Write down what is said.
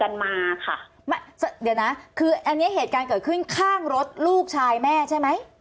อันนี้เหตุการณ์เกิดขึ้นข้างรถลูกชายแม่ใช่ไหม